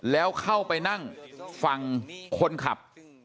แล้วเข้าไปนั่งฝั่งคนขับ